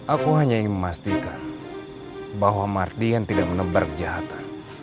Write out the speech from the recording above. aku hanya ingin memastikan bahwa mardian tidak menebar jahatan